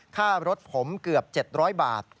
ค่ารถผมเกือบ๗๐๐บาท